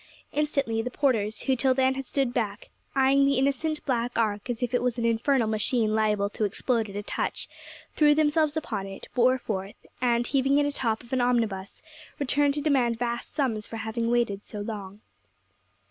Instantly the porters, who till then had stood back, eyeing the innocent, black ark, as if it was an infernal machine liable to explode at a touch, threw themselves upon it, bore it forth, and heaving it atop of an omnibus, returned to demand vast sums for having waited so long.